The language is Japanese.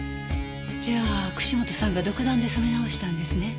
じゃあ串本さんが独断で染め直したんですね？